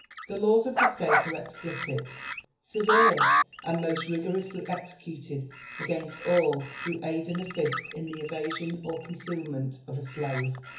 The laws of tlie state are explicit, severe, and most rigoronsly executed against all who aid and assist fa the evasion or concealment of a slate.